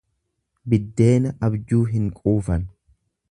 Biddeena abjuu hin quufan.